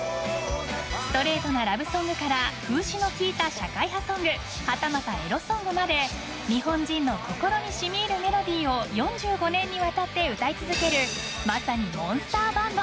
［ストレートなラブソングから風刺の効いた社会派ソングはたまたエロソングまで日本人の心に染み入るメロディーを４５年にわたって歌い続けるまさに］